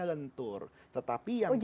tidak ada ketentuan besar kecilnya